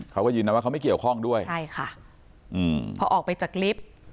เขาก็ยืนยันว่าเขาไม่เกี่ยวข้องด้วยใช่ค่ะอืมพอออกไปจากลิฟต์